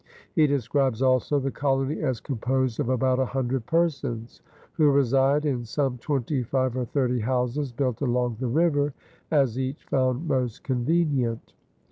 He describes also the colony as composed of about a hundred persons, "who reside in some twenty five or thirty houses built along the river as each found most convenient."